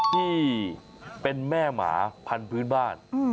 ที่เป็นแม่หมาพันธุ์พื้นบ้าน